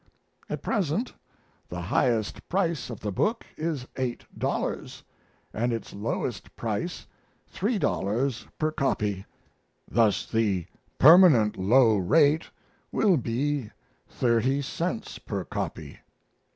At present the highest price of the book is eight dollars, and its lowest price three dollars per copy. Thus the permanent low rate will be thirty cents per copy.